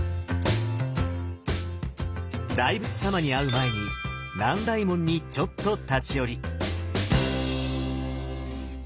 大仏様に会う前に南大門にちょっと立ち寄り。